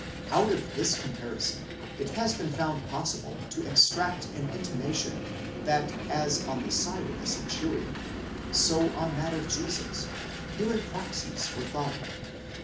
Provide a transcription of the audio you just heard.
Out of this comparison it has been found possible to extract an intimation that as on the side of the centurion, so on that of Jesus, human proxies were thought of.